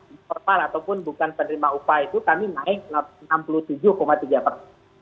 informal ataupun bukan penerima upah itu kami naik enam puluh tujuh tiga persen